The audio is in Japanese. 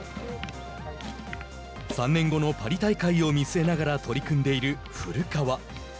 ３年後のパリ大会を見据えながら取り組んでいる古川。